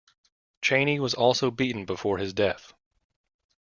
Chaney was also beaten before his death.